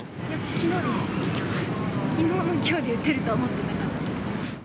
きのうのきょうで打てるとは思ってなかったです。